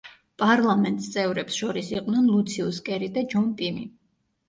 პარლამენტს წევრებს შორის იყვნენ ლუციუს კერი და ჯონ პიმი.